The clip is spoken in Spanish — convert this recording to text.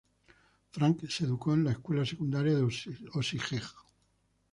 Frank se educó en escuela secundaria de Osijek.